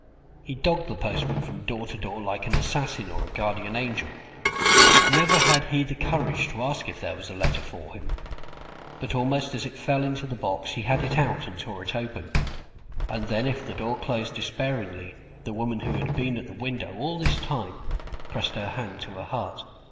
He dogged the postman from door to door like an assassin or a guardian angel; never had he the courage to ask if there was a letter for him, but almost as it fell into the box he had it out and tore it open, and then if the door closed despairingly the woman who had been at the window all this time pressed her hand to her heart.